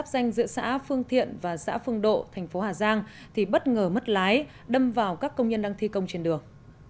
xã phương thiện và xã phương độ thành phố hà giang bất ngờ mất lái đâm vào các công nhân đang thi công trên đường